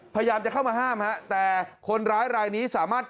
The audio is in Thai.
พยายามจะเข้ามาห้ามฮะแต่คนร้ายรายนี้สามารถ